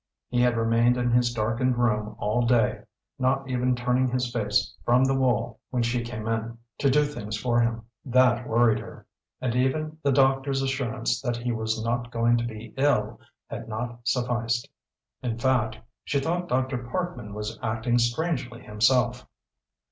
He had remained in his darkened room all day, not even turning his face from the wall when she came in to do things for him. That worried her, and even the doctor's assurance that he was not going to be ill had not sufficed. In fact, she thought Dr. Parkman was acting strangely himself.